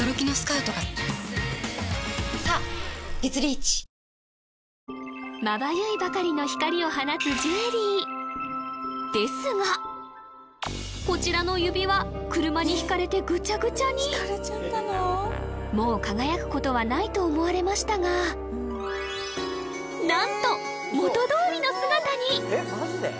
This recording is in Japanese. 一体眩いばかりの光を放つジュエリーですがこちらの指輪車にひかれてグチャグチャにもう輝くことはないと思われましたがなんと元どおりの姿に！